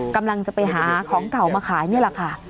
กำลังจะไปหาของเก่ามาขายนี่แหละค่ะ